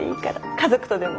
家族とでも。